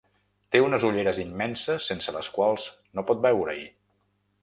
Té unes ulleres immenses sense les quals no pot veure-hi.